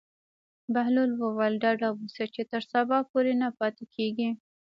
بهلول وویل: ډاډه اوسه چې تر سبا پورې نه پاتې کېږي.